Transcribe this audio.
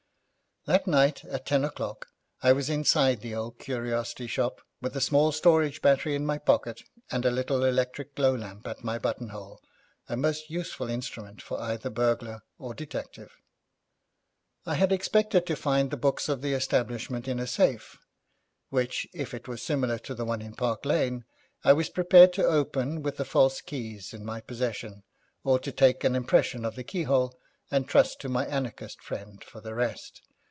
That night at ten o'clock I was inside the old curiosity shop, with a small storage battery in my pocket, and a little electric glow lamp at my buttonhole, a most useful instrument for either burglar or detective. I had expected to find the books of the establishment in a safe, which, if it was similar to the one in Park Lane, I was prepared to open with the false keys in my possession or to take an impression of the keyhole and trust to my anarchist friend for the rest.